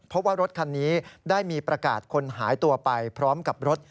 เพราะว่ารถคันนี้ได้มีประกาศคนหายตัวไปพร้อมกับรถ